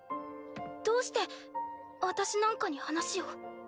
どうして私なんかに話を？